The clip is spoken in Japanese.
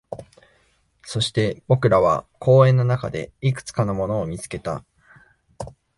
そして、僕らは公園の中でいくつかのものを見つけた